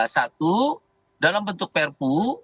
satu dalam bentuk perpu